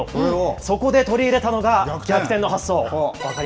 そこで取り入れたのが逆転の発想。